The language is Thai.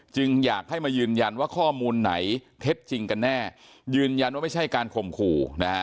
อยากให้มายืนยันว่าข้อมูลไหนเท็จจริงกันแน่ยืนยันว่าไม่ใช่การข่มขู่นะฮะ